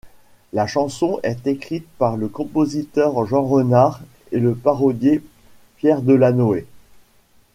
La chanson est écrite par le compositeur Jean Renard et le parolier Pierre Delanoë.